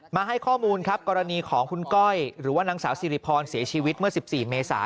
มาให้ข้อมูลครับกรณีของคุณก้อยหรือว่านางสาวสิริพรเสียชีวิตเมื่อ๑๔เมษา